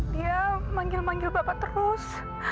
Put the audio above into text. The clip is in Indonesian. dia manggil manggil bapak terus